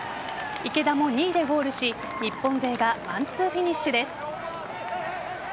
池田も２位でゴールし日本勢がワンツーフィニッシュです。